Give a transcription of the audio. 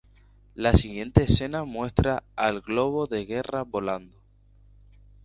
La siguiente escena muestra al globo de guerra volando.